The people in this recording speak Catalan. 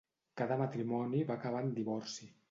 Cada matrimoni va acabar en divorci.